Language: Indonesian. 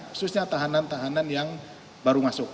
khususnya tahanan tahanan yang baru masuk